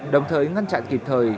đồng thời ngăn chặn kịp thời